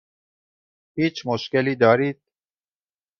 هیچ مشکلی دارید؟